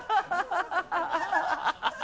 ハハハ